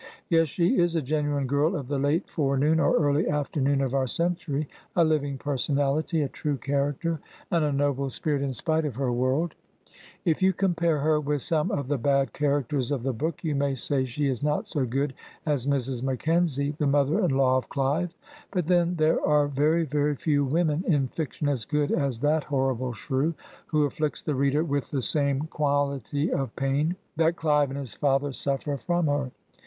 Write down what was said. Yet she is a genuine girl of the late forenoon or early after noon of our century; a living personality; a true char acter, and a noble spirit in spite of her world. If you 219 Digitized by VjOOQIC HEROINES OF FICTION compare her with some of the bad characters of the book you may say she is not so good as Mrs. Macken zie, the mother in law of Clive; but then there are very, very few women in fiction as good as that horrible shrew, who afflicts the reader with the same quaUty of pain that Clive and his father suffer from her.